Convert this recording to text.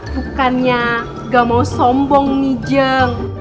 bukannya gak mau sombong nih jeng